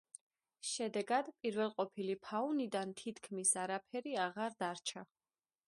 შედეგად პირველყოფილი ფაუნიდან თითქმის არაფერი აღარ დარჩა.